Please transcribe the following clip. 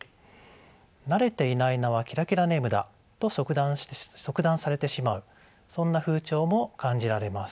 慣れていない名はキラキラネームだと即断されてしまうそんな風潮も感じられます。